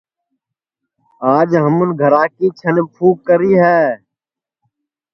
آج ہمون گھرا کی جھڈؔ پُھوک کری ہے